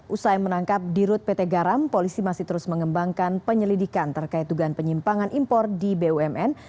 usaha yang menangkap di rut pt garam polisi masih terus mengembangkan penyelidikan terkait dugaan penyimpangan impor di bumn